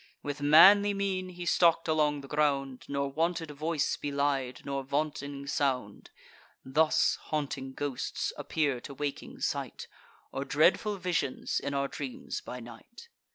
With manly mien he stalk'd along the ground, Nor wanted voice belied, nor vaunting sound. (Thus haunting ghosts appear to waking sight, Or dreadful visions in our dreams by night.)